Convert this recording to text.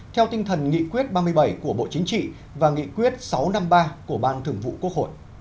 theo tinh thần nghị quyết ba mươi bảy của bộ chính trị và nghị quyết sáu trăm năm mươi ba của ban thường vụ quốc hội